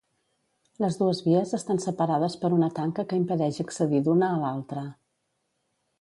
Les dues vies estan separades per una tanca que impedeix accedir d'una a l'altra.